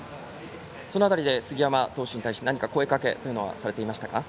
その辺り、杉山投手に対し何か声かけというのはされていましたか？